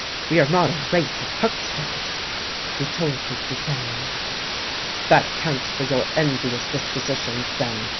We are not a race of hucksters! " retorted the Seigneur. " That accounts for your envious dispositions, then.